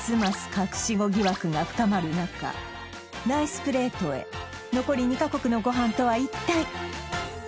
隠し子疑惑が深まる中ライスプレートへ残り２カ国のご飯とは一体？